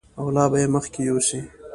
او لا به یې مخکې یوسي.